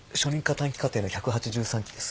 短期課程の１８３期です。